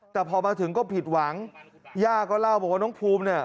แต่พอมาถึงก็ผิดหวังย่าก็เล่าบอกว่าน้องภูมิเนี่ย